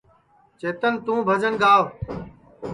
چیتن توں بھجن گاو